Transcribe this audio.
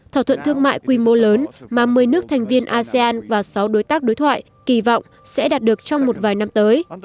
thỏa thuận thương mại quy mô lớn mà một mươi nước thành viên asean và sáu đối tác đối thoại kỳ vọng sẽ đạt được trong một vài năm tới